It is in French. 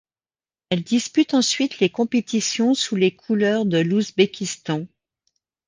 Elle dispute ensuite les compétitions sous les couleurs de l'Ouzbékistan.